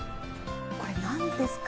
これ何ですか？